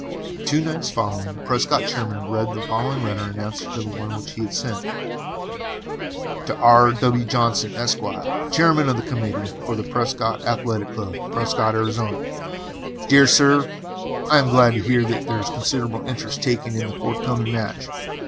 Two nights following, the Prescott chairman read the following letter in answer to the one which he had sent: TO R. W. JOHNSON, ESQ., Chairman of the Committee for the Prescott Athletic Club, Prescott, Arizona: DEAR SIR: I am glad to hear that there is considerable interest taken in the forthcoming match.